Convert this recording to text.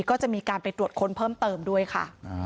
ก็จะมีการไปตรวจค้นเพิ่มเติมด้วยค่ะ